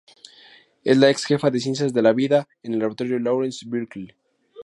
Es la ex jefa de ciencias de la vida en el Laboratorio Lawrence Berkeley.